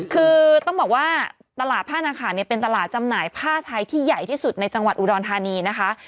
คือต้องบอกว่าตลาดผ้านาคารเนี่ยเป็นตลาดจำหน่ายผ้าไทยที่ใหญ่ที่สุดในจังหวัดอุดรธานีนะคะ